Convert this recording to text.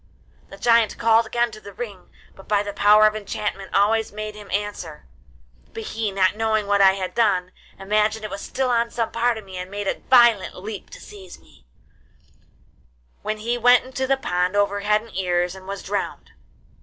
The giant called again to the ring, which by the power of enchantment always made him answer; but he, not knowing what I had done, imagined it was still on some part of me, and made a violent leap to seize me, when he went into the pond, over head and ears, and was drowned.